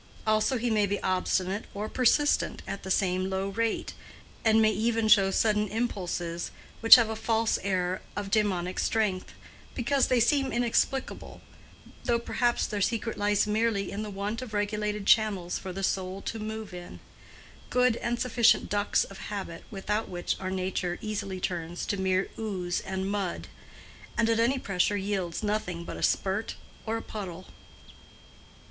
Also, he may be obstinate or persistent at the same low rate, and may even show sudden impulses which have a false air of daemonic strength because they seem inexplicable, though perhaps their secret lies merely in the want of regulated channels for the soul to move in—good and sufficient ducts of habit without which our nature easily turns to mere ooze and mud, and at any pressure yields nothing but a spurt or a puddle.